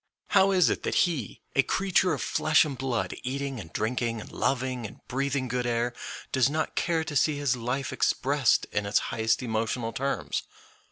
How is it that he, a creature of flesh and blood, eating and drinking and loving and breathing good air, does not care to see his life expressed in its highest emotional terms?